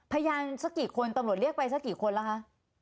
พยานสักกี่คนอีกลนที่ตำรวจเรียกไปสักกี่คนละคะ